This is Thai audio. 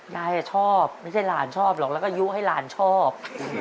ยายชอบไม่ใช่หลานชอบหรอกแล้วก็ยุให้หลานชอบ